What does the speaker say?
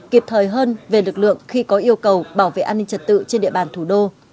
kịp thời hơn về lực lượng khi có yêu cầu bảo vệ an ninh trật tự trên địa bàn thủ đô